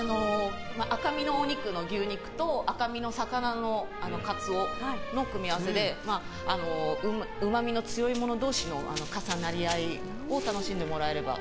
赤身のお肉の牛肉と赤身の魚のカツオの組み合わせでうまみの強い者同士の重なり合いを楽しんでもらえれば。